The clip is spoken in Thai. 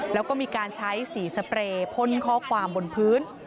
แล้วก็มีการใช้สีสเปรย์พ่นข้อความบนพื้น